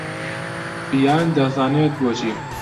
ڤیان دەزانێت بۆچی.